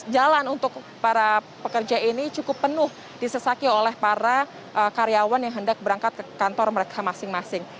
jalan untuk para pekerja ini cukup penuh disesaki oleh para karyawan yang hendak berangkat ke kantor mereka masing masing